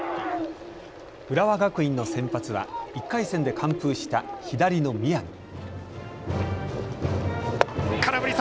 浦和学院の先発は１回戦で完封した左の宮城。